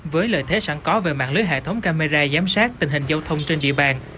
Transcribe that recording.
với lợi thế sẵn có về mạng lưới hệ thống camera giám sát tình hình giao thông trên địa bàn